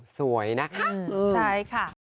สวยนะค่ะใช่ค่ะอืม